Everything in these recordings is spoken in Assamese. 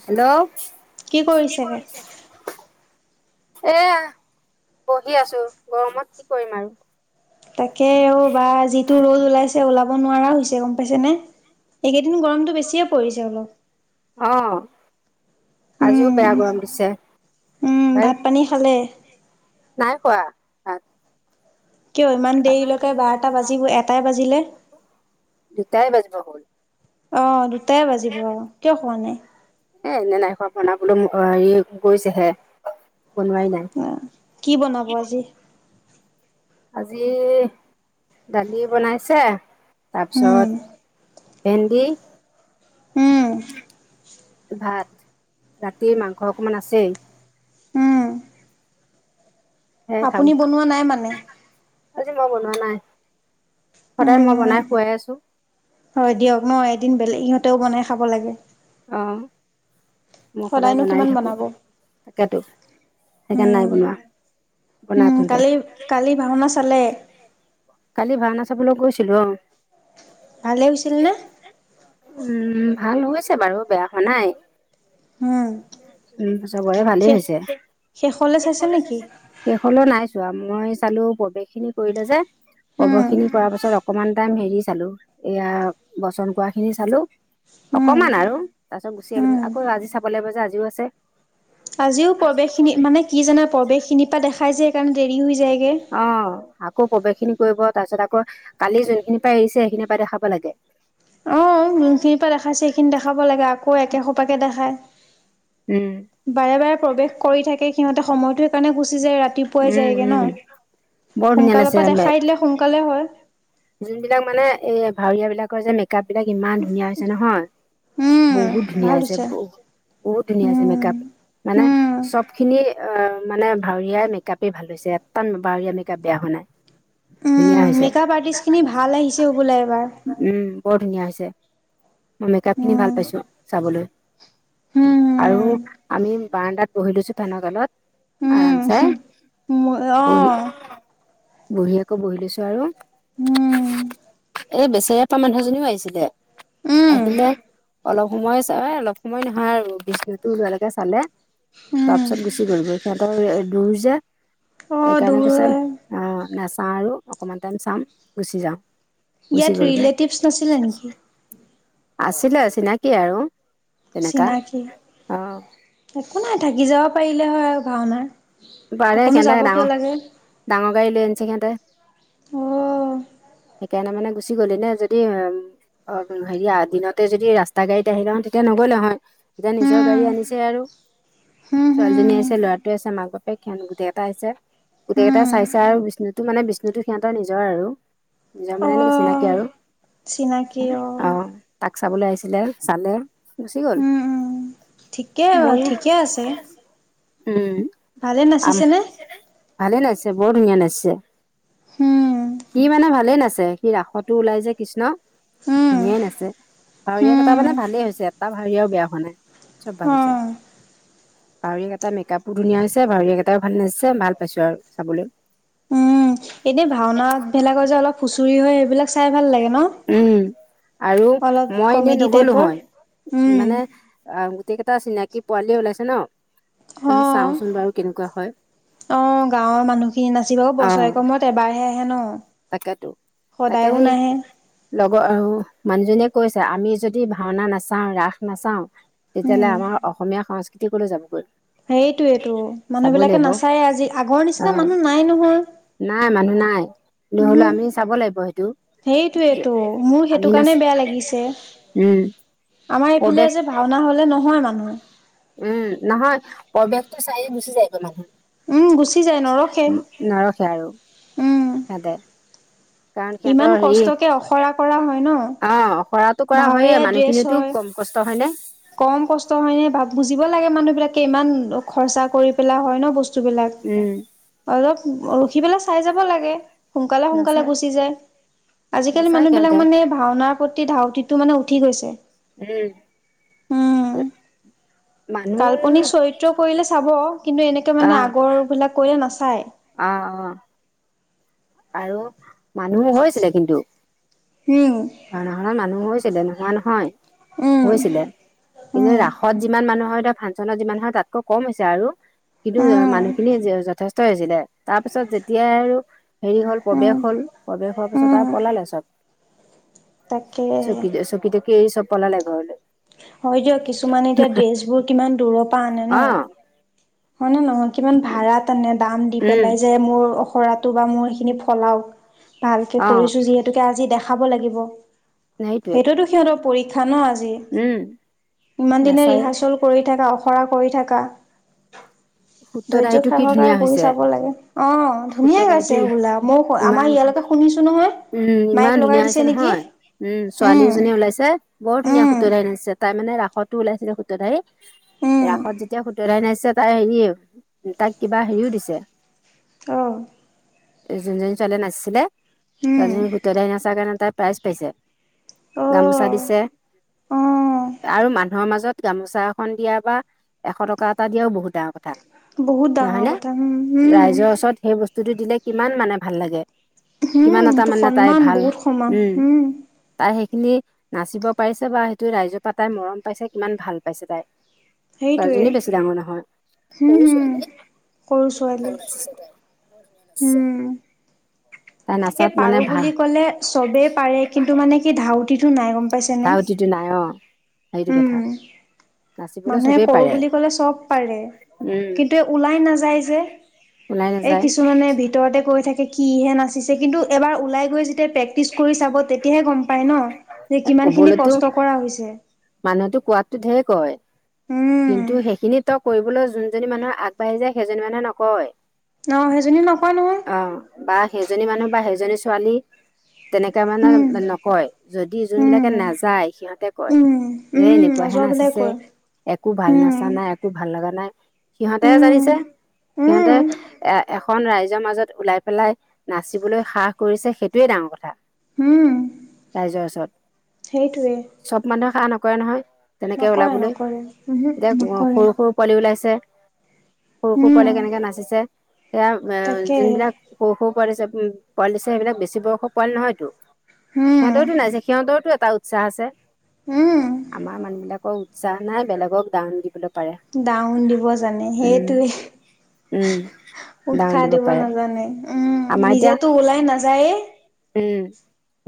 হেল্ল' কি কৰিছে এতিয়া এয়া বহি আছো গৰমত কি কৰিম আৰু তাকে অ বা যিটো ৰদ ওলাইছে ওলাব নোৱাৰা হৈছোঁ গম পাইছেনে। এইকেইদিন গৰমতটো বেছিয়ে পৰিছে অলপ আহ আজিও বেয়া গৰম দিছে। উ ভাই ভাত পানী খালে? নাই খোৱা ভাত। কিয় ইমান দেৰিলৈকে বাৰটা বাজিব এটাই বাজিলে? দুটাই বাজিব হল আহ দুটাই বাজিব কিয় খোৱা নাই। এ এনে নাই খোৱা বনাবলৈ হেৰি গৈছেহে। বনোৱাই নাই অ কি বনাব আজি আজি দালি বনাইছে উম তাৰপিছত ভেন্দি উম ভাত ৰাতি মাংস অকমান আছেই উম সেয়াই খাম আপুনি বনোৱা নাই মানে বনা নাই উম সদায় মই বনাই খুৱাই আছো হয় দিয়ক ন এদিন বেলেগ সিহঁতেও বনাই খাব লাগে অহ মই সদায় সদায়নো বনাই কিমান থাকোঁ বনাব? তাকেতো সেইকাৰণে উম নাই বনোৱা বনা উম তহতে কালি কালি ভাওনা চালে? কালি ভাওনা চাবলৈ গৈছিলো অ ভালে হৈছিল নে? উম ভাল হৈছে বাৰু বেয়া হোৱা নাই উম, উম চবৰে ভালেই শেষ হৈছে শেষলে চাইছে শেষলৈ চাইছা নেকি শেষলৈ নাই চোৱা মই চালো প্ৰৱেশ খিনি কৰিলে যে কব উম, খিনি কৰ পাছত অকমান টাইম হেৰি চালো এয়া বচন কোৱা খিনি চালো উম, অকমান আৰু তাৰপিছত গুচি আহিলো উম। আকৌ আজি চাব লাগিব যে আজিও আছে আজিও প্ৰৱেশ খিনি মানে কি জানা প্ৰৱেশ খিনিৰ পৰা দেখাই যায় সেইকাৰণে দেৰি হৈ যায় অ আকৌ প্ৰৱেশ খিনি কৰিব তাৰ পিছত আকৌ কালি যোনখিনি পাই এৰিছে সেইখিনি পাই দেখাব লাগে আহ যোনখিনিৰ পৰা দেখাইছে সেইখিনি দেখাব লাগে আকৌ একে সোপাকে দেখাই উম, বাৰে বাৰে প্ৰৱেশ কৰি থাকে সিহঁতে সময়টো সেইকাৰণে গুচ যে ৰাতিপুৱাই উম, যায়গে ন উম। বৰ ধুনীয়া লাগিছে সোনকালৰ পৰা দেখাই দিলে সোনকালে হয় যোনবিলাক মানে এই ভাৱীয় বিলাকৰ যে মেকআপ বিলাক ইমান ধুনীয়া হৈছে নহয় উম, বহুত ধুনীয়া ভাল হৈছে ব বহুত ধুনীয়া হৈছে উম। মেকআপ মানে উম, চব খিনি অ মানে ভাৱৰীয়াই মেকআপেই ভাল হৈছে এটা ভাৱৰীয়া মেকআপ বেয়া হোৱা নাই ধুনীয়া হৈছে খিনি ভাল আহিছে বোলে এবাৰ উম বৰ ধুনীয়া হৈছে মই মেকপ খিনি উম, ভাল পাইছো চাবলৈ আৰু উম। আমি বাৰাণ্ডাত বহি লৈছো ধোন কালত উম আৰাম চাই বহি অ' বঢহি আকৌ বহি লৈছো আৰু হম এ বেচেৰ পৰা মানুহজনীও আহিছিলে উম আহিলে অলপ সময় অলপ সময় নহয় আৰু বিজো ওৱালৈকে চালে চোৱাৰ উম পিছত গুচি গব সিহঁতৰ দূৰ যে অ' সেইকাৰণে দূৰ কৈছে হয় আহ নেচাওঁ আৰু অকমান টাইম চাম গুচি যাওঁ খুচি ইয়াত গলব ৰিলেটিভছ নাছিলে নেকি আছিলে চিনাকি আৰু তেনেকা চিনাকি অ একো নাই থাকি যাব পাৰিলে হয় আৰু ভাওনাাৰ পাৰে অকনো যাব কিয় লাগে সহতে অ' সেইকাৰণে মানে গুচি গলি নে যদি অ হেৰি দিনতে যদি ৰাস্তা গাড়ীত আহি লওঁ তেতিয়া নগলে নহয় এতিয়া নিজৰ গাড়ী আনিছে আৰু হু ছোৱালীজনী আছে ল'ৰাটোৱে আছে মাক বাপে ঘান গোটেই এটা আছে গোটেইকেইটা হুম চাইছে আৰু বিষ্ণুটো মানে বিষ্ণুটো সিহঁতৰ নিজৰ আৰু নিজৰ মানে এনেকে চিনাকি অ' আৰু অ তাক চাবলৈ আহিছিলে চালে গুচি গল উম উম ঠিকে মই ঠিকে আছে উম ভালে আ নাচিছেনে ভালে নাইছে বৰ ধুনীয়া নাচছে উম কি মানে ভালে নাছিল ছে সি ৰাসতো ওলাই যে কৃষ্ণ উম ধুনীয়াই নাছে ভাৱৰীয়া কেইটা উম মানে ভালেই হৈছে এটা ভাৱৰীয়াও বেয়া হোৱা নাই চব বানিছে। অ' ভাৱৰীয়াকেটা মেকাপো ধুনীয়া হৈছে। ভাৱৰিয়াকেইটাইও ভাল নাচিছে। ভাল পাইছো আৰু চাবলে। এনে ভাওনাভেলাগৰ যে অলপ খুচৰি হয়। এইবিলাক। উম আৰু অলপ মই এনেই কমেডি নগলো টাইপৰ হয়। উম, মানে অ গোটেই কেইটা চিনাকি পোৱালিয়ে ওলাইছে ন। ত অ'। চাওচোন বাৰু কেনেকুৱা হয়। অ গাঁৱৰ মানুহখিনি নাচিবও বছৰে ক মুৰত এবাৰহে আহে ন? তাকেটো। তাকে সদায়ো সেই নাহে লগৰ মানুহজনীয়ে কৈছে আমি যদি ভাওনা নাচাও ৰাস নাচাও তেতিয়াহ'লে উম, আমাৰ অসমীয়া সংস্কৃতিকলৈ যাবগৈ। সেইটোয়েইটো মানুহ চাবই বিলাকে লাগিব নাচায়ে আজি আগৰ অ নিচিনা মানুহ নাই নহয়। নাই মানুহ নাই। নহ'লে আমি চাব লাগিব। সেইটো সেইটোৱে ত মোৰ আমি সেইটো নাচ কাৰণে বেয়া লাগিছে। উম আমাৰ এইফালে প্ৰৱেশ যে ভাওনা হলে নহয় মানুহ। টো চায়ে গুচি যায় গৈ মানুহ। উম, গুচি যায় নৰখে নৰখে আৰু উম, সেতে। কাৰণ সিহঁতৰ ইমান হেৰি। অ কষ্টকে আখৰা কৰা হয় ন? হৰাটো কৰা ভাৱৰীয়া হয়য়ে। ড্ৰেছ মানুহখিনিটো হয়। কম কষ্ট হয়নে। কম কষ্ট হয়নে বুজিব লাগে মানুহ বিলাকে ইমান খৰচা কৰি পেলা হয় ন বস্তু বস্তুবিলাক। উম অলপ ৰখি পেলাই চাই যাব লাগে। সোনকালে সোনকালে নাচায় গুচি যায়। আজিকালি নাচায় সিহঁতে মানুহবলাক মানে ভাওনাৰ প্ৰতি ধাউতিটো মানে উঠি গৈছে। উম। উম। কাল্পনিক মানুহ চৰিত্ৰ কৰিলে চাব কিন্তু এনেকে মানে আহ আগৰ বিলাক কৰিলে নাচায়। অ অ আৰু মানুহ হৈ আছিলে কিন্তু। উম, ভাওনা ঘত মানুহ হৈছিলে নহোৱা নহয়। উম, হৈছিলে কিন্তু উম, ৰাসত যিমান মানুহ হয়। ফাংচনত যিমান হয় তাতকৈ কম হৈছে আৰু কিন্তু উম, মানুহখিনি যথেষ্ট হৈছিলে। তাৰ পিছত যেতিয়াই আৰু হেৰি হল প্ৰৱেশ উম, হল। প্ৰৱেশ হোৱাৰ পিছত উম। আৰু পলালে চব। তাকে চকি চকি তকী এই চব পলালে ঘৰলৈ। হয় দিয়ক কিছুমানে এতিয়া ড্ৰেছ বোৰ কিমান দূৰৰ পৰা আনে ন। অ হয়নে নহয়? কিমান ভাড়া তানে দাম দি উম পেলাই যে মোৰ খৰাটো বা মোৰ সেইখিনি ফলাওক। ভালকে অ কৰিছো যিহেতুকে আজি দেখাব লাগিব। সেইটোৱে সেইটোতো সিহঁতৰ পৰীক্ষা ন আজি। উম ইমান দিনে নাচাই ৰিহাচল কৰি থাকা অখৰা কৰি থাকা। ধৰ্য্য সূত্ৰধাৰীটো কি সাহকাৰে ধুনীয়া বহি হৈছে চাব লাগে। অ ধুনীয়া সূত্ৰধাৰীটো গাইছে হবলা। মই ইমান আমাৰ ইয়ালে। শুনিছো নহয়। উম মাইক ইমান লগাই ধুনীয়া দিছে হৈছে নেকি নহয়। উম ছোৱালী এজনীয়ে ওলাইছে বৰ ধুনীয়া উম সুতৰাই নাচিছে। তাই মানে ৰাষ্ট্ৰীয় তো ওলাইছিলে সূত্ৰধাৰি। উম ৰাসত যেতিয়া সূতৰধাৰি নাচিছে। তাই হেই তাক কিবা হেইও দিছে। অ। যোনজনী ছোৱালী নাচিছিলে উম ছোৱালীজনী সূত্ৰধাৰি নাচাৰ কাৰণে। তাই প্ৰাইজ পাইছে। অ গামোচা দিছে অ আৰু মানুহৰ মাজত গামোচা এখন দিয়া বা এশ টকা এটা দিয়াও বহুত ডা। থা বহুত ডাঙৰ নহয় নে? কথা উম উম ৰাইজৰ ওচৰত সেই বস্তুটো দিলে কিমান মানে ভাল লাগে। উম, কিমান এটা এইটো মানে তাই সন্মান ভাল। বহুত সমান উম তাই সেই খিনি নাচিব পাৰিছে বা সেইটো ৰাইজৰ পৰা তাই মৰম পাইছে কিমান ভাল পাইছে তাই। সেইটোৱে ছোৱালীজনী বেছি ডাঙৰ নহয়। উম, সৰু উম, ছোৱালী সৰু কিন্তু ছোৱালী ভাল নাচিছিলে। আছে। এ পাৰো বুলি ক'লে চবেই পাৰে কিন্তু মানে কি ধাউতিটো নাই গম। পাইছেনে ধাউতিটো নাই অ সেইটো উম। কথা নাচিবলৈ মানুহে চবেই কৰো পাৰে বুলি ক'লে চব পাৰে উম কিন্তু এ ওলাই নাযায় যে। ওলাই এই নাযায়। কিছুমানে ভিতৰতে কৈ থাকে কিহে নাচিছে কিন্তু এবাৰ ওলাই গৈ যেতিয়া। প্ৰেক্টিচ কৰি চাব তেতিয়াহে গম পাই ন, যে এ কিমানখিনি কবলৈতো কষ্ট কৰা হৈছে। মানুহেতো কোৱাতো ঢেৰ কয় উম, কিন্তু সেইখিনি তক। কৰিবলৈ যোনজনী মানুহে আগবাঢ়ি যায় সেইজনী মানুহে নকয়। অ', সেইজনী নকয় নহয় অ বা সেইজনী মানুহ বা সেইজনী ছোৱালী। তেনেকে মানে উম, নকয় যদি যোনবিলাকে উম। নাযায় সিহঁতে কয়। উম, এ উম, এনেকুৱা হে নজৰ বোলে নাচিছে কৈ একো ভাল নাচা উম, নাই একো ভাল লগা নাই। সিহঁতে উম। জানিছে সিহঁতে উম, এ। এখন ৰাইজৰ মাজত ওলাই পেলাই নাচিবলৈ সাহ কৰিছে সেইটোৱে ডাঙৰ কথা। উম, ৰাইজৰ ওচৰত। সেইটোৱে। চব মানুহে সাহ নকৰে নহয় তেনেকে নকৰে উলাবলৈ নকৰে উহু এতিয়া সৰু নকৰে সৰু লৰা পোৱালি ওলাইছে। সৰু সৰু উম, পোৱালি কেনেকে নাচিছে সেয়া তাকেহে। যোনবিলাক সৰু সৰু। পোৱ দিছে উম পোৱাল দিছে সেইবিলাক বেছি বয়সৰ পোৱালি নহয়তো উম, সিহঁত দৰটো নাই যে সিহঁ দৰো। এটা উৎসাহ আছে উম, আমাৰ মানুহ বিলাকৰ উৎসাহ নাই বেলেগক দাউন দিবলৈ। পাৰে দাউন দিব জানে উম সেইটোৱে। উম ডাউন উৎসাহ দিব পাৰে নাজানে উম আমাৰ এতিয়া নিজেতো ওলাই নাযায়ে। উম।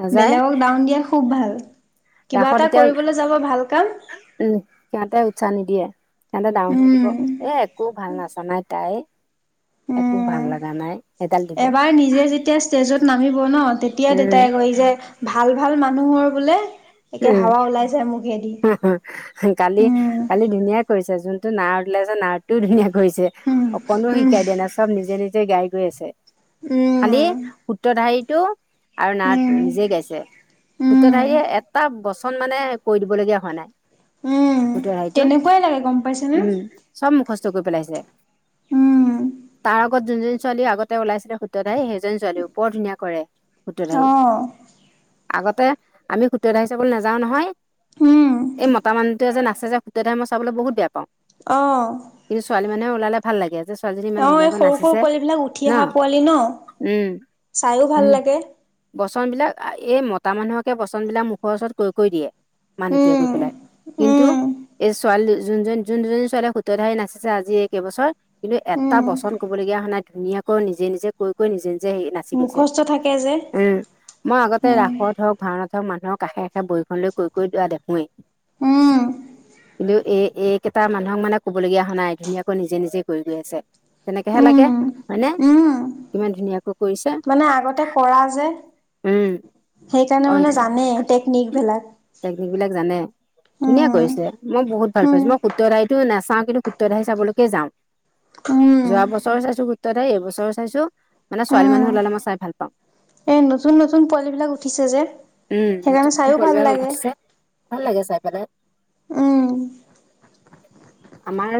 নাযায় বেলেগক দাউন দিয়া খুব ভাল। কিবা ৰাসত এটা কৰিবলৈ এতিয়া যাব ভাল কাম। উম সিহঁতে উৎসাহ নিদিয়ে সিহঁতে ডাঙৰন উম, দিব এ একো ভাল নাচানাই তাই। উম একো ভাল লগা নাই সেইডাল দিব। এবাৰ নিজে যেতিয়া ষ্টেজত নামিব ন তেতিয়া। এতিয়া উম, দেতাই কয় যে ভাল ভাল মানুহৰ বোলে। একে উম হাৱা ওলাই যায় মুখেদি কালি উম কালি ধুনীয়া কৰিছে যোন। টো নাৰ ওলাই আছে নাৰটোও ধুনীয়া কৰিছে উম অকনো উম শিকাই দিয়া নাই চব নিজে নিজে গাই গৈ আছে। উম খালি সূত্ৰধাৰিটো। আৰু নাৰটো উম নিজে গাইছে পূত্ৰত উম হাৰীয়ে এটা বচন মানে কৰি দিবলগীয়া হোৱা নাই। উম উট সাইতো তেনেকুৱাই লাগে গম পাইছেনে উম চব মুখজ। কৰি পেলাইছে। উম তাৰ আগত যোনজন ছোৱালী আগতে ওলাইছিলে শুদ্ধ্ৰতাই সেইজন ছোৱালীও বৰ ধুনীয়া কৰে। সূত্ৰধাৰী অহ। আগতে আমি খুতত হি চাবলৈ নাযাও নহয় উম এই মতা মানুহ। সতে যোছে যে সত্ৰে মই চাবলৈহুত বেয়া পাওঁ। অহঁ। মানে ওলালে ভাল লাগে যে। ছোৱালীজনী ইমান অ এই ধুনীয়াকৈ সৰু সৰু নাচিছে পোৱালী বিলাক উঠি ন অহা পোৱালি ন। উম চাইও ভাল লাগে। পচন বিলাক এই মতা মানুহকে পচন বিলাক মুখৰ ওচৰত কৈ ক কৰি দিয়ে। মানুহটোৱে উম গৈ পেলাই কিন্তু উম এই ছোৱালী। যোনজন যোন দুজনী ছোৱালীয়ে সূতধাৰি নাচিছে আজি একেবছৰ কিন্তু এটা উম বচন ক'বলগীয়া হোৱা নাই। ধুনীয়াকৈ নিজে নিজে কৈ কৈ নিজে। যে হে নাচি গৈছে মুখস্থ থাকে যে উম মই আগতে উম ৰাসত হওক ভাওনাত হওক মানুহক। কাষে কাষে বহীখন লৈ কৈ কৰি দোৱা দেখোৱেই উম কিন্তু এই। এইকেইটা মানুহক মানে কবলগীয়া হোৱা নাই ধুনীয়াকৈ নিজে নিজে কৰি গৈ আছে। তেনেকেহে লাগে উম, হয়নেে উম। কিমান ধুনীয়াকো। মানে আগতে কৰা যে উম সেইকাৰণে অ মানে জানেই। টেকনিক বিলাক। টেকনিক বিলাক জানে। ধুনীয়া উম, কৰিছে মই বহুত ভাল হুম, পাইছো মই সুত্ৰৰতো। নাচাওঁ কিন্তু সূত্ৰধাৰি চাবলৈকে যাওঁ। উম, যোৱা বছৰ চাইছো। তাতে এইবছৰ চাইছো মানে ছোৱালী মানুহ ওলালে মই চাই ভাল পাওঁ। এ নতুন নতুন পোৱালি বিলাক উঠিছে যে উম সেইকাৰণে। চাইও ভাল লাগে। উঠিছে ভাল লাগে চাই পেলাই। উম, আমাৰ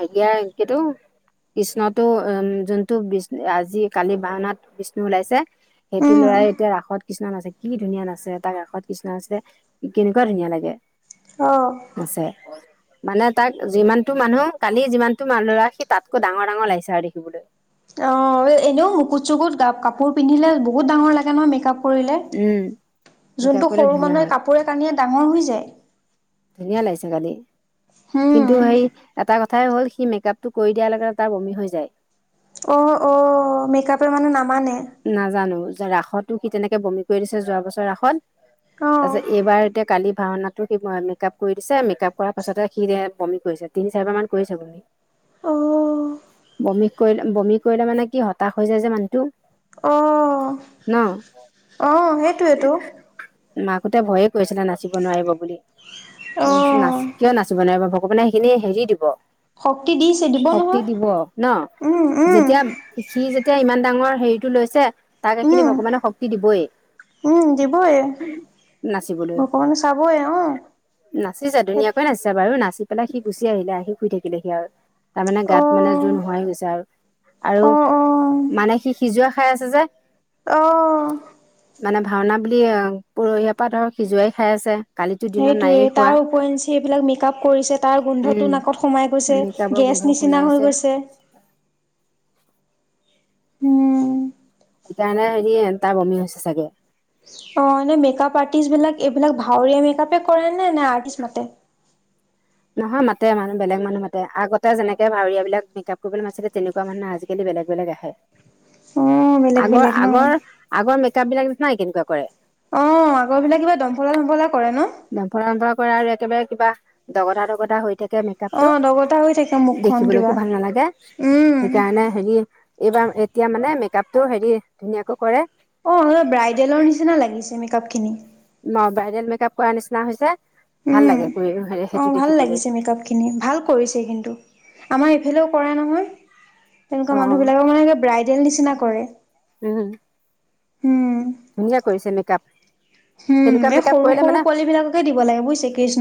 হাৰিয়া কিতু। কৃষ্ণটো উম যোনটো বিষ্ণু আজি কালি ভাওনাত বিষ্ণু ওলাইছে সেইটো উম, ল'ৰা। তাই এতিয়া ৰাসত কৃষ্ণ নাচে। কি ধুনীয়া নাচে তাৰ কাষত কৃষ্ণ নাচিলে কেনেকুৱা ধুনীয়া লাগে অ'। নাচে। মানে তাক যিমানতটো মানুহ কালি যিমানতটো মানুহ ল'ৰা সি তাতকৈ ডাঙৰ ডাঙৰ লাগিছে আৰু দেখিবলৈ। অ' এনেও মুকুত চুকুত কাপোৰ পিন্ধিলে বহুত ডাঙৰ লাগে নহয় মেকআপ। কৰিলে। উম মেকআপ যোনটো কৰিলে সৰু ধুনীয়া মানুহে হয় কাপোৰে কানিয়ে ডাঙৰ হৈ যায়। ধুনীয়া লাগিছে কালি। হুম, কিন্তু সেই এটা কথা কথাই হ'ল সি মেকাআপটো কৰি দিয়াৰ লগে লগে তাৰ বমি হৈ যায়। অ' অ' মেকআপৰ মানে নাম। নাজানো যে ৰাসতো সি তেনেকে বমি কৰি দিছে যোৱা বছৰ ৰাসত। অ', তাৰপিছত এইবাৰ এতিয়া কালি। ভাওনাটো সি মেকআপ কৰি দিছে মেকআপ কৰাৰ পাছতে সি বমি কৰিছে তিনি চাৰিবাৰ মান কৰিছে বমি। অ'হ। বমি কৰিলে বমি কৰিলে মানে কি হতাশ হৈ যায় যে মানুহটো। অহ ন অ' সেইটোৱেটো। মাকহতে ভয়ে কৰিছিলে নাচিব নোৱাৰিব বুলি মই অ', কৈছোঁ কিয় নাচিব নোৱাৰিব ভ। ভগবানে সেইখিনি হেৰি দিব। শক্তি দিছে দিব শক্তি নহয়। দিব ন উম, উম, যেতিয়া সি যেতিয়া ইমান। ডাঙৰ হেৰিতটো লৈছে তাক এইখিনি ভগৱানে শক্তি দিবই। দিবইে নাচিবলৈ ভগবানে চাবই অ'। নাচিছে ধুনীয়াকৈ নাচিছে বাৰু নাচি পেলাই সি গুচি আহিলে আহি শুই থাকিলে সি আৰু। তাৰমানে গাত মানে জোৰ অ', নোহোৱাই হৈ গৈছে আৰু আৰু অ', মানে সি। সিজোৱা খাই আছে যে। অহ। মানে ভাওনা বুলি পৰহীয়া পৰহিৰ পৰাটো সিজুৱাই খাই আছে। কালিতো দিনত সেইটোয়ে নায়েই খোৱা তাৰ উপৰিঞ্চি সেইবিলাক মেকআপ কৰিছে তাৰ গোন্ধটো উম নাকত সোমাই গৈছে। মেকআপৰ গেছ গোন্ধ নিচিনা হৈ শুনাইছে গৈছে। উম। সেইকাৰণে হেৰি তাৰ বমি হৈছে চাগে। অ' এনে মেকপ আৰ্টিষ্ট বিলাক। এইবিলাক ভাৱৰীয়া মেকআপে কৰে নে? নে আৰ্টিষ্ট মাতে। নহয় মাতে মানুহ বেলেগ মানুহ মাতে। আগতে যেনেকে ভাৱৰীয়া বিলাক মেকাআপ কৰিবলে মাতিছিলে তেনেকুৱা মানে আজিকালি। বেলেগ বেলেগ আহে। অ', বেলেগ আগৰ বেলেগ ন? আগৰ আগৰ মেকাআপ বিলাক দেখা নাই কেনেকুৱা কৰে। অ' আগৰ বিলাক কিবা দমফলা চমফলা। কৰে ন? দমফলা দমফলা কৰা আৰু একেবাৰে কিবা দগতা দগধা হৈ থাকে। অ মেকআপটো দগতা হৈ থাকে মুখখন কিবা দেখিবলৈকো ভাল নালাগে। উম সেইকাৰণে হেৰি। এইবাৰ এতিয়া মানে মেকআপটো হেৰি ধুনীয়াকৈ কৰে। অ ব্ৰাইডেলৰ নিচিনা লাগিছে মেকআপ খিনি। অ ব্ৰাইডেল মেকআপ কৰা নিচিনা হৈছে। ভাল উম লাগে কৰি অ সেইটো ভাল দেখিবলৈ লাগিছে মেকআপ খিনি ভাল কৰিছে কিন্তু। আমাৰ ইফালেও কৰা নহয় অ তেনেকুৱা মানুহ বিলাকৰ মানে ব্ৰাইডেল নিচিনা কৰে। উম। উম। কোনে কৰিছে মেকআপ তেনেকুৱা হুম এই মেকআপ সৰু কৰিলে সৰু মানে পোৱালি বিলাককে দিব লাগে বুইছে কৃষ্ণ